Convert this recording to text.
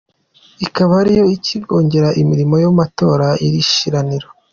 Ikaba ariyo iyi kongere irimo ayo matora ari ishiraniro.